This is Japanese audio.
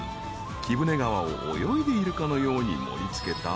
［貴船川を泳いでいるかのように盛り付けた］